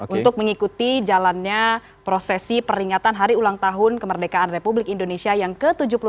untuk mengikuti jalannya prosesi peringatan hari ulang tahun kemerdekaan republik indonesia yang ke tujuh puluh enam